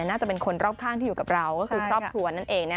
น่าจะเป็นคนรอบข้างที่อยู่กับเราก็คือครอบครัวนั่นเอง